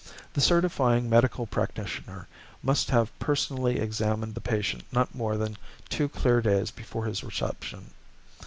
The certifying medical practitioner must have personally examined the patient not more than two clear days before his reception.